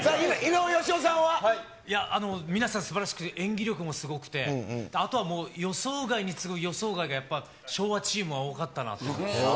さあ、皆さん、すばらしくて、演技力もすごくて、あとはもう、予想外に次ぐ予想外がやっぱ、昭和チームは多かったなって。